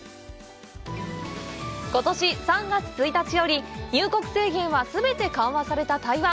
ことし３月１日より入国制限は全て緩和された台湾。